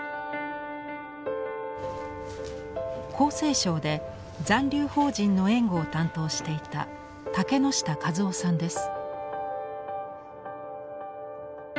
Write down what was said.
厚生省で残留邦人の援護を担当していた竹之下和雄さんです。